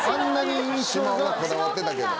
島尾はこだわってたけど。